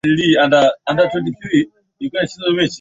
Na huweza kuwa kwenye hali hii kwa nusu saa tu